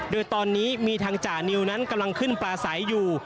โดยตอนนี้มีทางจ่านิวนั้นกำลังขึ้นปลาใสอยู่